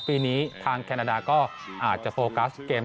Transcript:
ปีนี้ทางแคนาดาก็อาจจะโฟกัสเกม